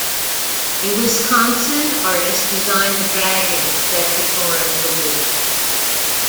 A Wisconsin artist designed the dragons that adorn the roof.